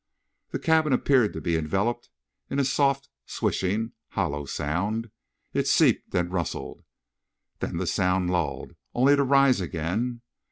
The cabin appeared to be enveloped in a soft, swishing, hollow sound. It seeped and rustled. Then the sound lulled, only to rise again.